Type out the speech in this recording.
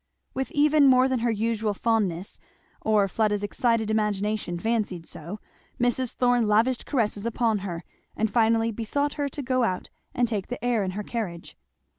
With even more than her usual fondness, or Pleda's excited imagination fancied so, Mrs. Thorn lavished caresses upon her, and finally besought her to go out and take the air in her carriage.